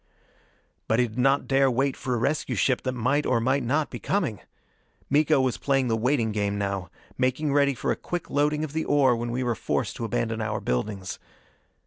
But he did not dare wait for a rescue ship that might or might not be coming! Miko was playing the waiting game now making ready for a quick loading of the ore when we were forced to abandon our buildings.